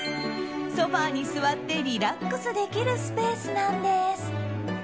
ソファに座ってリラックスできるスペースなんです。